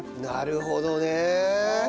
なるほどね！